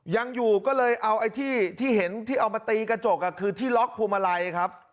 ยังอยู่ก็เลยเอาไอ้ที่เห็นที่เอามาตีกระจกคือที่ล็อกพวงมาลัยครับ